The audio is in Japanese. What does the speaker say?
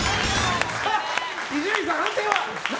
伊集院さん、判定は？